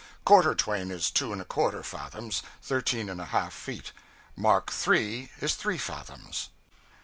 'Quarter twain' is two and a quarter fathoms, thirteen and a half feet. 'Mark three' is three fathoms.